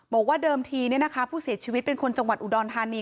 บอกว่าเดิมทีผู้เสียชีวิตเป็นคนจังหวัดอุดรธานี